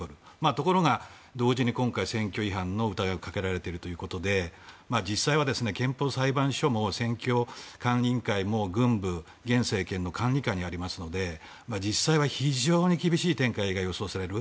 ところが同時に今回選挙違反の疑いをかけられているということで実際は、憲法裁判所も選挙管理委員会も軍部、現政権の管理下にありますので実際は非常に厳しい展開が予想される。